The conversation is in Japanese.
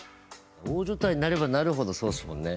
大所帯になればなるほどそうっすもんね。